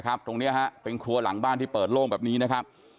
ตรงนี้ฮะเป็นครัวหลังบ้านที่เปิดโล่งแบบนี้นะครับ